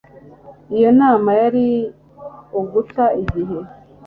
iyo nama yari uguta igihe